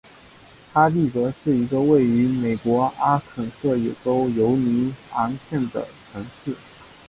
哈蒂格是一个位于美国阿肯色州犹尼昂县的城市。